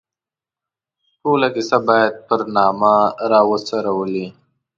ټوله کیسه باید پر نامه را وڅورلي.